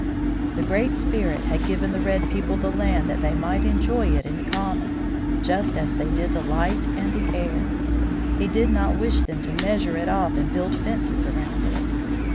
The Great Spirit had given the red people the land that they might enjoy it in common, just as they did the light and the air. He did not wish them to measure it off and build fences around it.